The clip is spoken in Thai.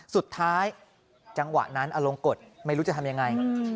สุดท้ายจังหวะนั้นอลงกฎไม่รู้จะทำยังไง